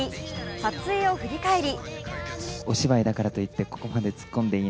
撮影を振り返り